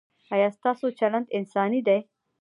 ایا ستاسو چلند انساني دی؟